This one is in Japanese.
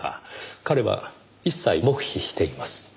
彼は一切黙秘しています。